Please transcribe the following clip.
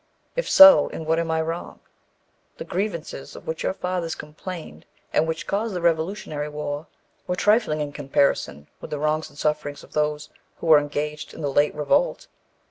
If so, in what am I wrong? The grievances of which your fathers complained, and which caused the Revolutionary War, were trifling in comparison with the wrongs and sufferings of those who were engaged in the late revolt.